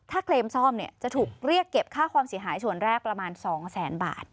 เคลมซ่อมเนี่ยจะถูกเรียกเก็บค่าความเสียหายส่วนแรกประมาณ๒แสนบาท